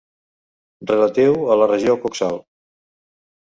Relatiu a la regió coxal.